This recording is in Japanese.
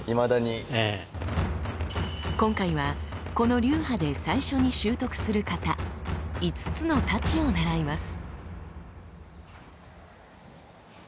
今回はこの流派で最初に習得する型五津之太刀を習います。